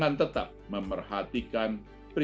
untuk semua jenis kredit di sektor properti